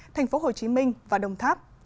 thành phố hồ chí minh và đồng tháp